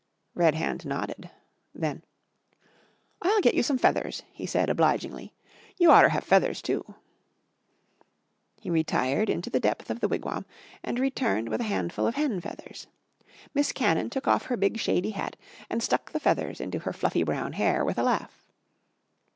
Red Hand nodded. Then, "I'll get you some feathers," he said obligingly. "You oughter have feathers, too." He retired into the depth of the wigwam and returned with a handful of hen feathers. Miss Cannon took off her big shady hat and stuck the feathers into her fluffy brown hair with a laugh.